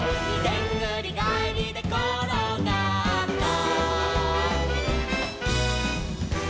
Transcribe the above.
「でんぐりがえりでころがった」